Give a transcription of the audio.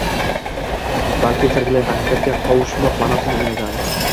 Balki tiriklay haqiqatga qovushmoq ma’nosini anglatadi.